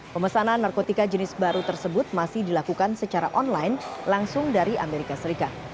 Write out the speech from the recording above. pemesanan narkotika jenis baru tersebut masih dilakukan secara online langsung dari amerika serikat